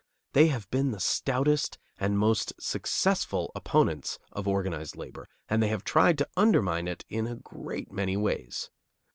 They have been the stoutest and most successful opponents of organized labor, and they have tried to undermine it in a great many ways.